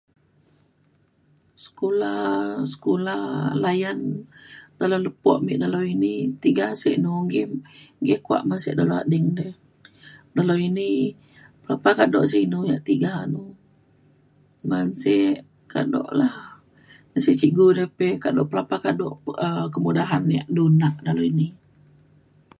sekula sekula layan dalau lepo me dalau ini tiga sek nunggim ye kuak sek dalau ading de. dalau ini pelepa kado sik inu yak tiga nu ban sek kado lah. ban sek cikgu re pe kado pelapah kado um kemudahan yak du nak dalau ini.